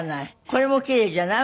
これもキレイじゃない？